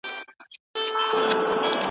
دا يې بيا، بيا هيلـه وكړي